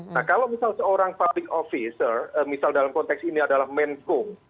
nah kalau misal seorang public officer misal dalam konteks ini adalah men hong